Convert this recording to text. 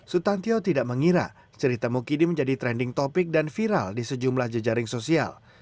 sutan tio tidak mengira cerita mukidi menjadi trending topic dan viral di sejumlah jejaring sosial